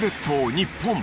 日本